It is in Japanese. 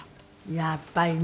やっぱりね。